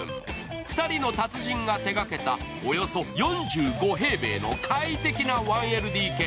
２人の達人が手がけたおよそ４５平米の快適な１ＬＤＫ。